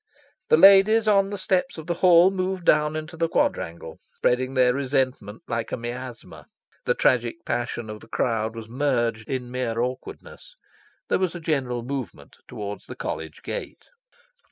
The ladies on the steps of the Hall moved down into the quadrangle, spreading their resentment like a miasma. The tragic passion of the crowd was merged in mere awkwardness. There was a general movement towards the College gate.